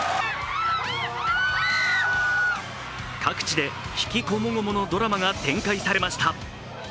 各地で悲喜こもごものドラマが展開されました。